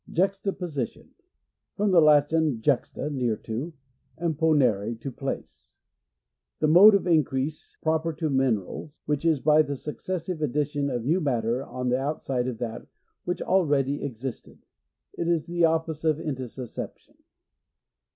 Juxtaposition. — From the Latin, jux $ ta, near to, and ponere, to place. < The mode of increase, proper to minerals, which is by the succes sive addition of new matter on the outside of that which a'ready ex isted. It is opposed to intussus ception.